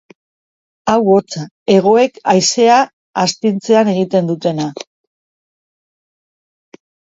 Hau hotsa, hegoek haizea astintzean egiten dutena!